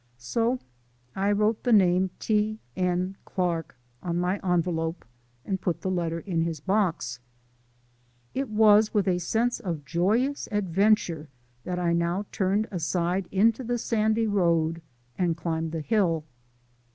So I wrote the name T. N. Clark on my envelope and put the letter in his box. It was with a sense of joyous adventure that I now turned aside into the sandy road and climbed the hill.